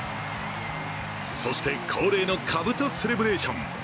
そして恒例のかぶとセレブレーション。